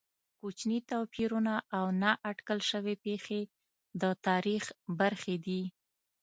کوچني توپیرونه او نا اټکل شوې پېښې د تاریخ برخې دي.